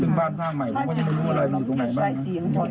ซึ่งบ้านสร้างใหม่ก็ยังไม่รู้ว่าอะไรมันอยู่ตรงไหนบ้าง